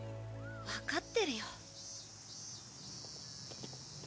わかってるよ。